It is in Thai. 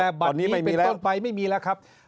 แต่อันนี้เป็นตอนไปไม่มีแล้วครับ